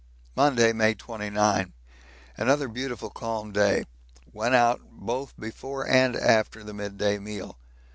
Monday, May 29. Another beautiful calm day. Went out both before and after the mid day meal.